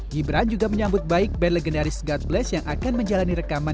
gibran juga menyambut baik band legendaris god bless yang akan menjalani rekaman